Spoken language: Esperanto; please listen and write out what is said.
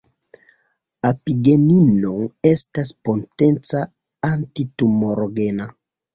Apigenino estas potenca antitumorogena.